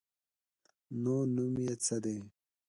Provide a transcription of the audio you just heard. _نو نوم يې څه دی؟